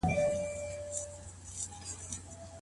خصوصي پوهنتون په تصادفي ډول نه ټاکل کیږي.